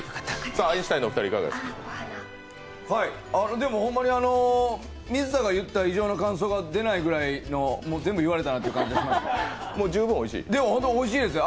でもホンマに水田が言った以上の感想が出ないようなもう全部言われたなという感じがしました、ホントおいしいですよ。